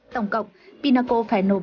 tổng cộng binaco phải nộp